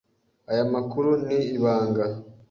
Aya makuru ni ibanga.